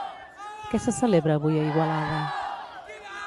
Què se celebra avui a Igualada?